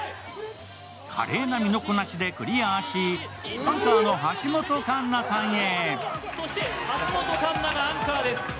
華麗な身のこなしでクリアしアンカーの橋本環奈さんへ。